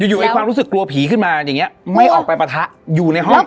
อยู่ไอ้ความรู้สึกกลัวผีขึ้นมาอย่างนี้ไม่ออกไปปะทะอยู่ในห้อง